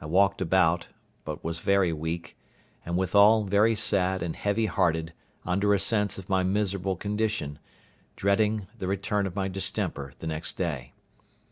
I walked about, but was very weak, and withal very sad and heavy hearted under a sense of my miserable condition, dreading, the return of my distemper the next day.